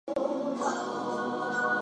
The house was relocated twice.